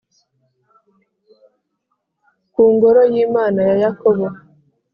ku Ngoro y’Imana ya Yakobo.